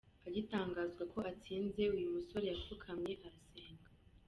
Agitangazwa ko atsinze, uyu musore yapfukamye arasenga.